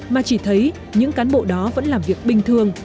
mà chỉ thấy những cán bộ đó vẫn làm việc bình thường